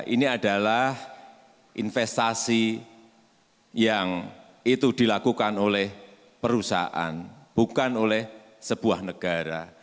ini adalah investasi yang itu dilakukan oleh perusahaan bukan oleh sebuah negara